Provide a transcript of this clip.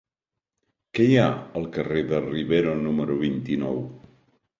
Què hi ha al carrer de Rivero número vint-i-nou?